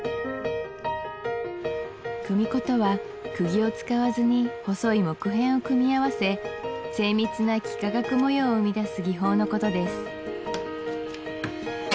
組子とは釘を使わずに細い木片を組み合わせ精密な幾何学模様を生み出す技法のことです